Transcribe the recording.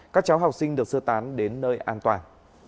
các cháu học sinh được sơ tán đến nơi an toàn